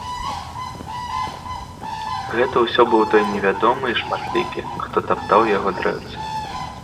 Гэта ўсё быў той невядомы і шматлікі, хто таптаў яго дрэўцы.